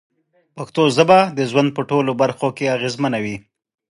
پښتو ژبه د ژوند په ټولو برخو کې اغېزمنه وي.